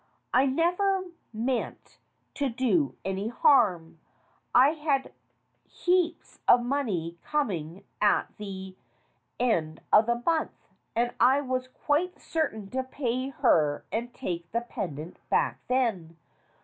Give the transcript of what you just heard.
I never meant to do any harm. I had heaps of money coming at the end of the month, and I was quite certain to pay her and take the pendant back then.